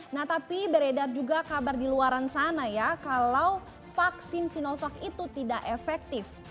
nah tapi beredar juga kabar di luar sana ya kalau vaksin sinovac itu tidak efektif